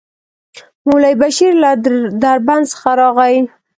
مولوي بشير له دربند څخه راغی.